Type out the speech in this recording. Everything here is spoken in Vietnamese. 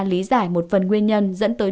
lý giải một phần nguyên nhân dẫn tới